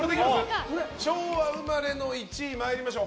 昭和生まれの１位参りましょう。